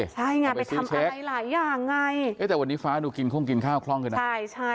ใช่ไงไปทำอะไรหลายอย่างไงเฮ้ยแต่วันนี้ฟ้านู่ขึ้นกินข้าวก็คล่องขึ้นนะ